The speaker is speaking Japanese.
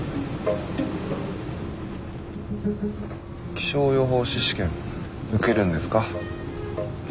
気象予報士試験受けるんですか？